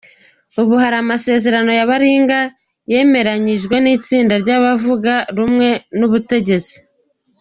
Ubu hari amasezerano ya baringa yemeranyijwe n’itsinda ry’abatavuga rumwe n’ubutegetsi.